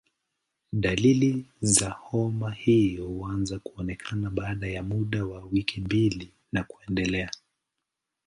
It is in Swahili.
Dalili za homa hii huanza kuonekana baada ya muda wa wiki mbili na kuendelea.